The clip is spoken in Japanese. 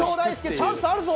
チャンスあるぞ！